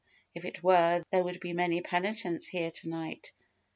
if it were, there would be many penitents here to night.